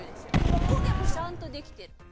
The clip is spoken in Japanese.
おこげもちゃんとできてる。